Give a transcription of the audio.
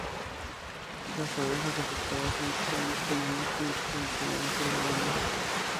Las abejas afectadas emplean menos tiempo en permanecer volando.